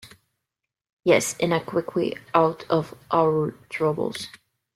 Yes, and a quick way out of our troubles.